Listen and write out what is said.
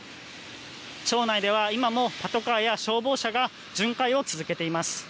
町内では今も、パトカーや消防車が巡回を続けています。